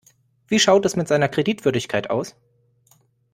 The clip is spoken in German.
Wie schaut es mit seiner Kreditwürdigkeit aus?